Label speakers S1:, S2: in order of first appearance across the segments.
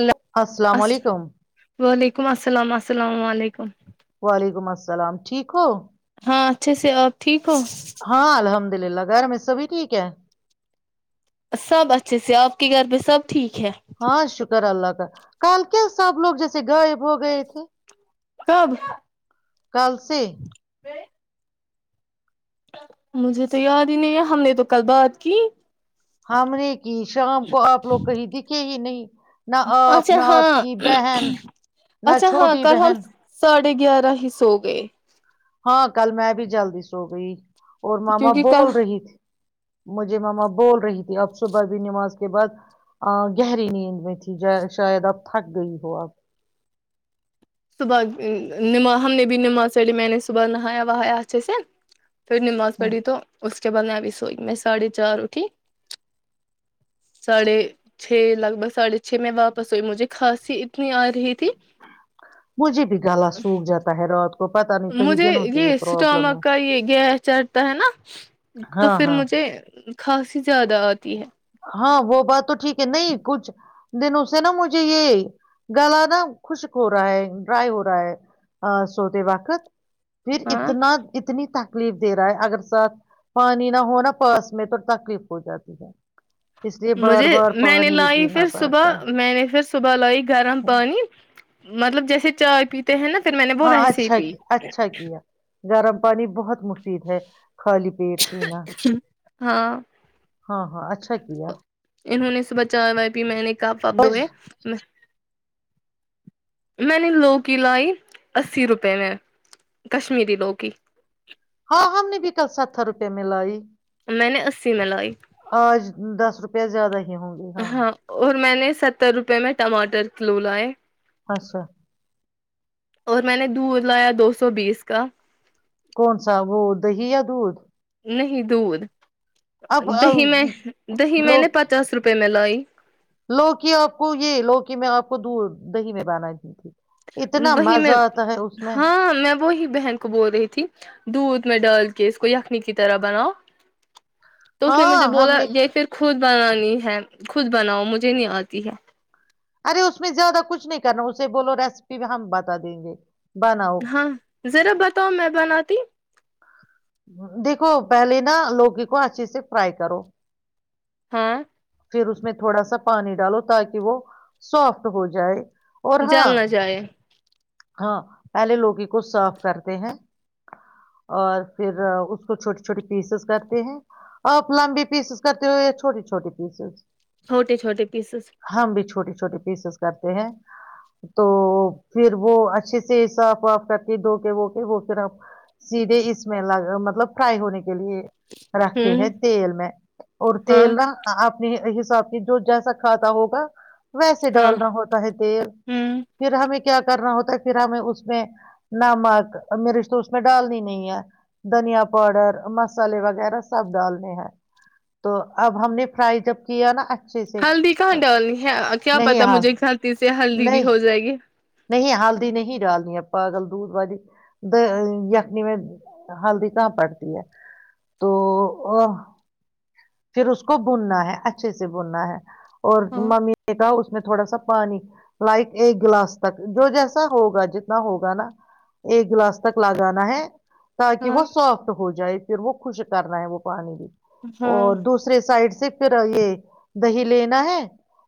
S1: اللہ
S2: السلام
S1: الس
S2: علیکم
S1: وعلیکم السلام السلام علیکم
S2: وعلیکم السلام ٹھیک ہو
S1: ہاں اچھے سے اور ٹھیک ہو
S2: ہاں الحمد للہ غیر میں سبھی ٹھیک ہے
S1: سب اچھے سے آپ کے گھر میں سب ٹھیک ہے
S2: ہاں شکر اللہ کا کل کے سب لوگ جیسے غائب ہو گئے تھے
S1: کب [unintelligible]
S2: کل سے [unintelligible]
S1: مجھے تو یاد ہی نہیں ہے ہم نے تو کل بات کی
S2: ہم نے کی شام کو آپ لوگ کہیں دکھے ہی نہیں نہ آپ
S1: اچھا
S2: نہ آپ
S1: ہاں
S2: کی بہن نہ چھوٹی بہن
S1: پے گیارہ ہی سو گئے
S2: ہاں کل میں بھی جلد سو گئی اور ماما
S1: کیونکہ
S2: بول
S1: کل
S2: رہی تھھی مجھے مما بول رہی تھی آپ صبح بھی نماز کے بعد گہری نیند میں تھی شاید اب تھک گئی ہو اب
S1: صبح نماز ہم نے بھی نماز سلیے می نے صبح نہایا وائایا اچھ سے پھر نماز پڑی تو اس چبان ابھی سوئی میں ساڑھے چار اٹھی ساھے چھ لگ بھگ ساھے چھ میں واپس سئی مجھے کھانسی اتنی آ رہی تھی
S2: مجھے بھی گال سوکھ جاتا ہے رات کو پتا نہیں کئی
S1: مجھے
S2: دنوں سے
S1: یہ
S2: پرابلم ہے
S1: اسٹامک کا یہ گیس چڑتا ہے نا تو
S2: ہاں
S1: پھر
S2: ہاں
S1: مجھے کھانسی زیادہ آتی ہے
S2: ہاں وہ بات تو ٹھیک ہے نہیں کچھ دنوں سے نا مجھے یہ گلا نا خشک ہو رہا ہے ڈرائی ہو رہا ہے سوتے واقت پھر
S1: ہاں
S2: اتنا اتنی تک تکلیف دے رہا ہے اگر ساتھ پانی نہ ہوناا پاس میں تو تکلیف ہو جاتی ہے اس لیے بار
S1: مجھے
S2: بار
S1: میں نے
S2: پانی بھی
S1: لائی
S2: پینا
S1: پھر
S2: پڑتا
S1: صبح میں نے پھر صبح لائی گرم
S2: ہے
S1: پانی مطلب جیسے چائے پی [unintelligible] میں نے وہ
S2: ہاں
S1: ویسے ہی
S2: اچھا کیا اچھا کیا گرم پانی بہت مشل ہے [unintelligible] پیٹ پینا
S1: ہاں
S2: ہاں ہاں اچھا کیا
S1: انہوں نے سے بحچا ب پ میں نے کاپ واپ
S2: آج
S1: دھوئے [unintelligible] میں نے لوکی لائی اسی روپے میں کشمیری لوکی
S2: ہر روپئے میںلائی [unintelligible]
S1: میں نے اسی میں لائی
S2: دس روپیہ زیاد ہی ہوں گے
S1: ہاں اور میں نے ستر روپئے میں ٹماٹر کلو لائے
S2: اچھا
S1: اور میں نے دور لایا دو سو بیس کا
S2: کون سا وہ دہی یا دودھ
S1: نہیں دھ
S2: اب
S1: [inaudible] دہی میں دہی میں
S2: لو
S1: نے پچاس روپے میں لائی ج [unintelligible]
S2: لوکی آپ کو یہ لوکی میں آپ کو د دہی میں بنا دی تھی اتنا
S1: وہی
S2: مزہ
S1: میں
S2: آتا ہے اس میں
S1: ہاں میں وہی بہن کو بول رہی تھی دودھ میں ڈال کہ اس کو یخنی کی طرح بناؤ تو اس نے
S2: ہاں
S1: مجھے
S2: ہم
S1: بولا
S2: نے
S1: یہ پھر خود بنانی ہے خود بناؤ مجھے نہیں آتی ہے
S2: ارے اس میں زیادہ کچھ نہیں کرنا اسے بولو ریسیپی بھی ہم بتا دیں گے بناؤ
S1: ہاں ذرا بتاؤ میں بناتی
S2: دیکھو پہلے نا لوگی کو اچھے سے فرائی کرو
S1: ہاں
S2: پھر اس میں تھوڑا سا پانی ڈالو تاکہ وہ سافٹ ہو جائے اور
S1: جاننا
S2: ہاں
S1: چاہے
S2: ہاں پہلے لوگ ہی کو سرف کرتے ہیں اور پھر اس کو چھوٹی چھوٹی پیسز کرتے ہیں اور لمبی پیسز کرتے ہوئے یا چھوٹی چھوٹی پیسز
S1: چھوٹے چھوٹے پیسس
S2: ہم بھی چھوٹے چھوٹے پیسز کرتے ہیں تو پھر وہ اچھے سے صاف واف کر کے دھو کے و کے وہ پھر آپ سیدھے اس میں مطلب فرائی ہونے کے کے لیے رکھتے
S1: ہوں
S2: ہیں تیل میں اور
S1: ہاں
S2: تیل ر آپ حساب سے جو جیسا کھاتا ہوگا ویسے
S1: ہاں
S2: ڈالنا ہوتا ہے تیل
S1: ہوں
S2: پھر ہمیں کیا کرنا ہوتا ہے پھر ہمیں اس میں نمک میں رش تو اس میں ڈالنی نہیں ہے دھنیا پاؤڈر مسالے وغیرہ سب ڈالنے ہیں تو اب ہم نے فرائی جب کیا نا اچھے سے
S1: ہلدی کہاں ڈالنی ہے کیا
S2: نہیں
S1: پتا
S2: ہال
S1: مجھے غلطی سے ہلدی بھی
S2: نہیں
S1: ہو جائے گی
S2: نہیں ہلدی نہیں ڈالنی ہے پاگل دودھ وی یخنی میں ہلدی کہاں پڑتی ہے تو پھر اس کو بننا ہے اچھے سے بننا ہے اور
S1: ہاں
S2: ممی تھاا اس میں تھوڑا سا پانی لائک ایک گلاس تک جو جیسا ہوگا جتنا ہوگا نا ایک گلاس تک لگانا ہے تاکہ وہ
S1: ہاں
S2: سافٹ ہو جائے پھر وہ خوش کرنا ہے وہ پانی بھی
S1: ہاں
S2: اور دوسرے سائڈ سے پھر یہ دہی لینا ہے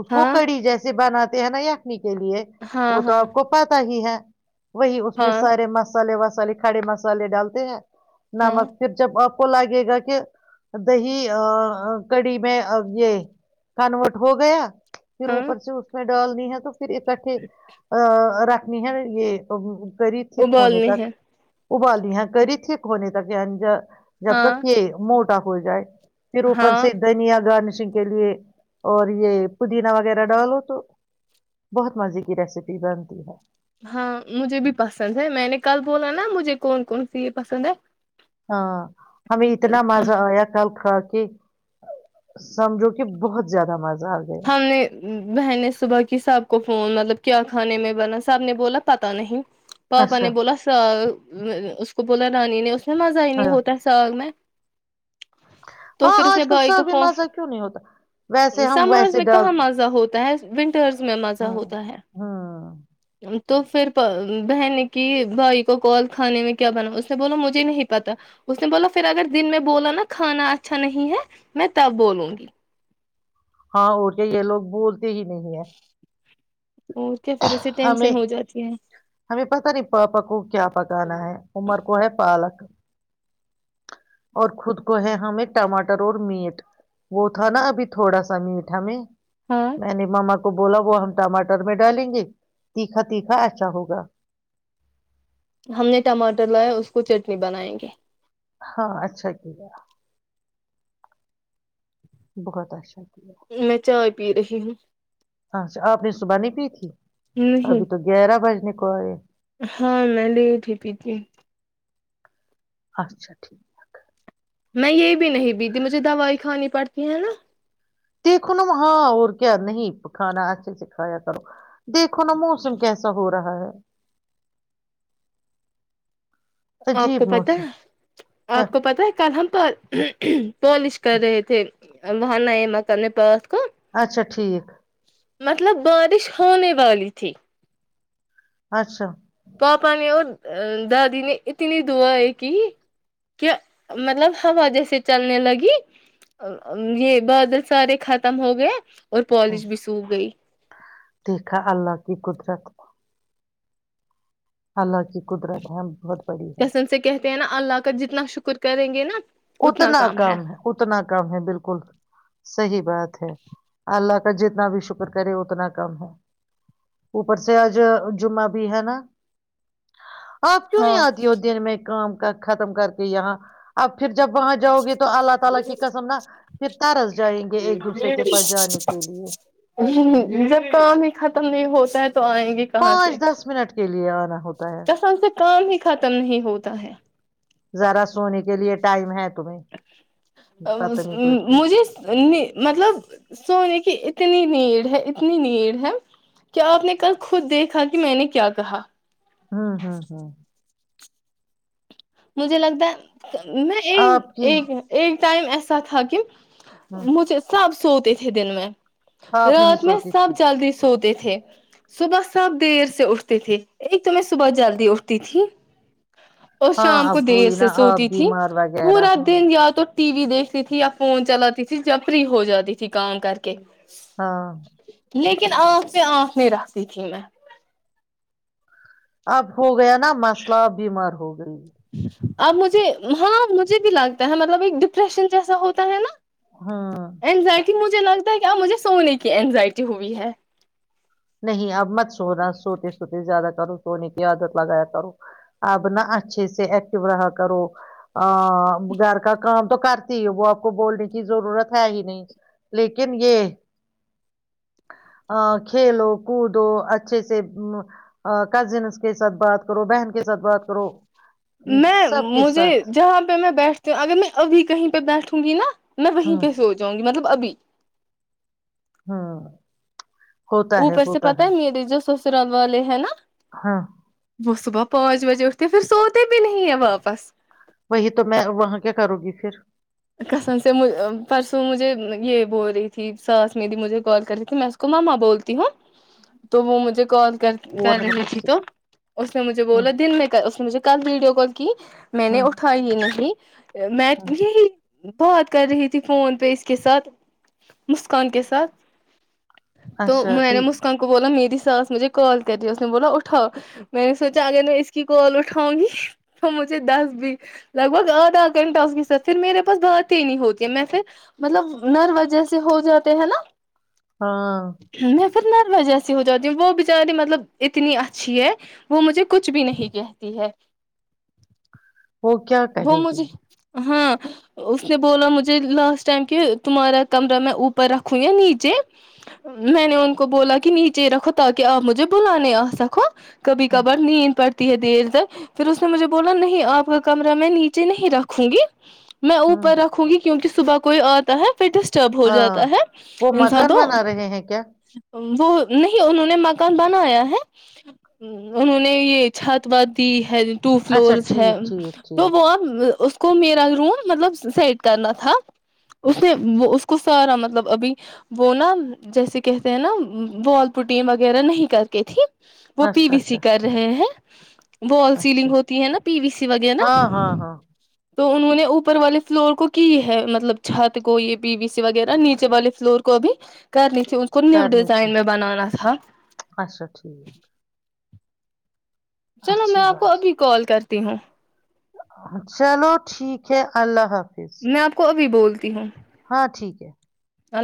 S2: اس کو
S1: ہاں
S2: کڑی جیسے بناتے کہ ن ہی آکھنی کے لیے
S1: ہاں
S2: وہ تو
S1: ہاں
S2: آپ کو پتا ہی ہے ہ [inaudible] وہی اس میں
S1: ہاں
S2: سارے مست مسالے وسالے کھڑے مسالے ڈال ج ن
S1: ہاں
S2: مک پھر جب آ کو لگے گا کہ دہی کڑی میں یہ کنورٹ ہو گیا پھر
S1: ہاں
S2: اوپر سے اس میں ڈالنی ہے تو پھر اکٹھے ا رکھ رنی ہے یہ فریت یک ہونے
S1: ابالنی
S2: تک
S1: ہے
S2: ابالی ہیں کری ت ہییک ہونے تھا کہ انج جب
S1: ہاں
S2: تک کہ مو ہو جائے پھروپر
S1: ہاں
S2: سےدا نہیں آ گان نہیں کے لیے اور یہ پودینا وغیرہ ڈالو تو بہت مزے کی ریسیپی بنتی ہے
S1: ہاں مجھے بھی پسند ہے میں نے کل بولا نا مجھے کون کون سی یہ پسند ہے
S2: ہاں ہمیں اتنا مزہ آیا کل کھا کے کہ سمجھو کہ بہت زیادہ مزہ آ گیا
S1: ہم نے بہنیں صبح کی سب کو فون مطلب کیا کھانے میں بنا سب نے بولا پتا نہیں پپ
S2: اچھا
S1: نے بولا س اس کو بولا رانی نے ھ مزہئی نہیں
S2: ہاں
S1: ہوتر سال م میں تو
S2: ہاں
S1: پھر اس نے
S2: آج کل
S1: بھائی کو
S2: ساف بھی
S1: فون
S2: ماسا کیوں نہیں ہوتا ویسے ہم
S1: سمرس
S2: ویسے
S1: میں
S2: ڈال
S1: کہاں مزہ ہوتا ہے ونٹرس میں مزہ
S2: ہاں
S1: ہوتا ہے
S2: ہوں
S1: تو پھر بہن کی بھائی کو کال کھانے میں کیا بنا اس نے بولا مجھے نہیں پتا اس نے بولا پھر اگر دن میں بولا نا کھانا اچھا نہیں ہے میں تب بولوں گی
S2: ہاں وہ کہ یہ لوگ بولتے بھی نہیں ہے
S1: اور کیا پھر اسے
S2: ہمیں
S1: ٹینشن ہو جاتی ہے
S2: ہمیں پتا نہیں پاپا کو کیا پکانا ہے عمر کو ہے پالک اور خود کو ہے ہمیں ٹماٹر اور میٹ وہ تھا نا ابھی تھوڑا سا میٹ ہمیں
S1: ہاں
S2: میں نہیں ماما کو بولا وہ ہم ٹماٹر میں ڈالیں گے تیکھا تیکھا اچھا ہوگا
S1: ہم نے ٹماٹر لایا اس کو چٹنی بنائیں گے
S2: ہاں اچھا کی بہت اشاء
S1: میں چائے پی رہی ہوں
S2: اچھا آپ نے صبح نہیں پی تھی ابھی
S1: نہیں
S2: تو گیارہ بجنے کو [unintelligible]
S1: ہاں میں نے تھی پی تھی
S2: اچھا ٹھیک ہے [inaudible]
S1: میں یہ بھی نہیں بیتی مجھے دوائی کھانی پڑتی ہیں ہے نا
S2: دیکھو نا ہاں اور کیا نہیں کھانا اچھے سے کھایا کرو دیکھو نا موسم کیسا ہو رہا ہے
S1: آپ کو
S2: عجیب
S1: پتا ہے
S2: موسم کیا
S1: آپ کو پتا ہے کل ہم پر پھی پالش کر رہے تھے وہاں ن مک میں پات
S2: اچھا ٹھیک
S1: مطلب بارش ہونے والی تھی
S2: اچھا
S1: پاپا نے اور دادی نے اتنی دعائیں کی کہ مطلب ہوا جیسے چلنے لگی یہ بادل سارے ختم ہو گئے اور
S2: ہوں،
S1: پالش بھی سوکھ گئی
S2: دیکھا اللہ کی قدرت اللہو [unintelligible]
S1: کسن سے کہتے ہیں نا اللہ کا جتنا شکر ک کریں گے نا [unintelligible]
S2: اتنا کام ہے اتنا کام ہے بالکل صحیح بات ہے اللہ کا جتنا بھی شکر کرے اتنا کم ہے اوپر سے آج جمعہ بھی ہے نا آپ کیوں نہیں
S1: ہاں
S2: آتی ہو دن میں کام ختم کر کے یہاں اب پھر جب وہاں جاؤ گے تو [unintelligible]
S1: جب پانی ہی ختم نہیں ہوتا ہے تو آئیں گی کہاں سے
S2: پانچ دس منٹ کے لیے آنا ہوتا ہے
S1: کیسا ان سے کام ہی ختم نہیں ہوتا ہے
S2: ذرا س بدتمیز لڑکی
S1: مجھے مطلب سونے کی ا اتنی نیڑ ہے اتنی نیڑ ہے کہ آپ نے کل خود دیکھا کہ میں نے کیا کہا
S2: ہوں ہاں ہاں
S1: مجھے لگتا ہے میں یہ
S2: آپ کی
S1: ایک ایک ائم اس سات تھا کہن
S2: ہوں
S1: مجھے سب سو تھے دن میں
S2: آپ نہیں
S1: رات میں
S2: سوتی
S1: سب
S2: تھی
S1: جلدی سوتے تھے تھے صبح سب دیر سے اٹھتے تھے ایک تو میں صبح جلدی اٹھتی تھی اور
S2: ہاں
S1: شام کو
S2: اب
S1: دیر
S2: ہوئی
S1: سے
S2: نا
S1: سوتی
S2: آپ
S1: تھی
S2: بیمار وغیرہ
S1: پورا
S2: ہاں
S1: دن یا تو ٹی وی دیکھ تھی یا فون چلاتی تھی جب فری ہو جاتی تھی کام کر کے
S2: ہاں
S1: لیکن آنکھ سے آنکھ نہیں رکھتی تھی میں
S2: اب ہو گیا نا مسئلہ بیمار ہو گئی
S1: اب مجھے ہاں مجھے بھی لگتا ہے مطلب ایک ڈپریشن جیسا ہوتا ہے نا
S2: ہاں
S1: اینزائٹی مجھے لگتا ہے کہ اب مجھے سونے کی اینزائٹی ہوئی ہے
S2: نہیں اب مت سونا سوتے سوتے زیادہ کرو سونے کی عادت لگایا کرو اب نہ اچھے سے ایکٹو رہا کرو ا وغیر کاکان کرتی ہے وہ آپ کو بولنے کی ضرورت ہے ہی نہیں لیکن یہ کھیلو کودو اچھے سے کزنس کے ساتھ بات کرو بہن کے ساتھ بات کرو
S1: میں
S2: سب کے
S1: مجھے
S2: ساتھ
S1: جہاں پہ میں بیٹھتی ہوں اگر میں ابھی کہیں پہ بیٹھوں گی نا میں
S2: ہ
S1: وہیں کیسے ہو جؤں گی مطلب ابھی
S2: ہ ہوتا ہے
S1: اوپر سے
S2: ہوتا
S1: پتا
S2: ہے
S1: نہیں جو س سرب والے ہے نا
S2: ہاں
S1: وہ صبح پانچ بجے اٹتے پھر سوتے بھی نہیں ہیں واپس
S2: وہی تو میں وہاں کیا کروں گی پھر
S1: کسم سے پرسوں مجھے یہ بول رہی تھی ساس میری مجھے کال کر رہی تھی میں اس کو ماما بولتی ہوں تو وہ مجھے کال کر
S2: فور ہنڈریڈ
S1: رہی
S2: فورٹی
S1: تھی تو
S2: سکس
S1: اس نے مجھے
S2: ہ
S1: بولا دن میں اس نے مجھے کل ویڈیو کال کی میں نے
S2: ہ
S1: اٹھائی یہ نہیں ہ میں یہی بات کر رہی تھی فون پہ اس کے ساتھ مسکان کے ساتھ تو
S2: اچھا
S1: میں نے مسکان کو بولا میری [unintelligible] بس بات ہی نہیں ہوتی ہے میں پھر مطلب نر وجیس ہو جاتے ہے نا
S2: ہاں
S1: پھر نروس جیسی ہو جاتی وہ بچاری مطلب اتنی اچھی ہے وہ مجھے کچھ بھی نہیں کہتی ہے
S2: وہ کیا
S1: وہ
S2: کہے
S1: م
S2: گی
S1: سے ہاں اس نے بولا مجھے لاسٹ ٹائم کہ تمہارا کمرہ میں اوپر رکھوں یا نیچے میں نے ان کو بولا کہ نیچے رکھو تاکہ آپ مجھے بلاے آ سکو کبھی
S2: ہاں
S1: کبر نہیں ان پر ہے دیر تک پھر اس نے مجھے بولا نہیں آپ کا کمرہ میں نیچے نہیں رکھوں گی میں
S2: ہوں
S1: اوپر رکھوں گی کیونکہ صبح کوئی آتا ہے پھر ڈسٹرب ہو
S2: ہاں
S1: جاتا ہے
S2: وہ
S1: انسان
S2: مکان
S1: تو
S2: بنا رہے ہیں کیا
S1: وہ نہیں انہوں نے مکان بنایا ہے انہوں نے یہ چھات وات دی ہے ٹو
S2: اچھا
S1: فلورس ہے
S2: ٹھیک ٹھیک
S1: تو
S2: ٹھیک
S1: وہ اس کو میرا روم مطلب سیٹ کرنا تھا اس نے وہ اس کو سارا مطلب ابھی وہ نا جیسے کہتے ہیں نا وال پوٹین وغیرہ نہیں کر کے تھی وہ پی
S2: اچھا
S1: بی سی
S2: اچھا
S1: کر رہے ہیں [inaudible] وال
S2: اچھا
S1: سیلنگ ہوتی ہے نا پی وی سی وغیرہ
S2: ہاں ہاں ہاں
S1: تو انہوں نے اوپر والے فلور کو کی ہے مطلب چھت کو یہ پی بی سی وغیرہ نیچے والے فلور کو ابھی کرنی اس کو نی
S2: کرنی تھی
S1: ڈیزائن میں بنانا تھا
S2: اچھا ٹھیک
S1: چلو میں
S2: اچھی
S1: آپ کو
S2: بات
S1: ابھی کال کر ت ہوں
S2: چلو ٹھیک ہے اللہ حافظ
S1: میں آپ کو ابھی بول تی ہوں
S2: ہاں ٹھیک ہے